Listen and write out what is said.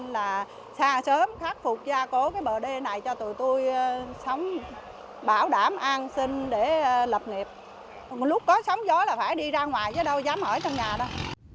lúc có sóng gió là phải đi ra ngoài chứ đâu dám ở trong nhà đâu